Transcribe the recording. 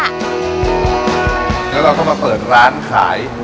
แล้วเราก็มาเปิดร้านขาย